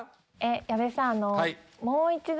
矢部さん。